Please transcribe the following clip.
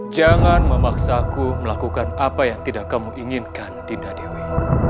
jangan memaksaku melakukan apa yang tidak kamu inginkan tidak diri